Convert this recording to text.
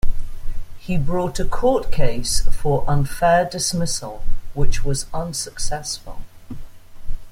He brought a court case for unfair dismissal, which was unsuccessful.